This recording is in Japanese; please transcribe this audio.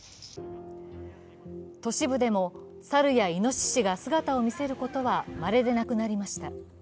都市部でも猿やいのししが姿を見せることはまれでなくなりました。